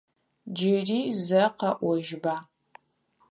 Джыри зэ къэӏожьба?